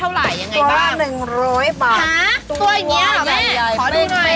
ตัวใหญ่เบ้งเลยแม่ตัวแยกขอดูหน่อย